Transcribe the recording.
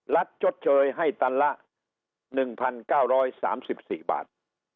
รัฐจดเชยให้ตัลละ๑๙๓๔บาท